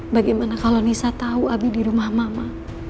bagaimana kalau nisa tahu abi di rumah mama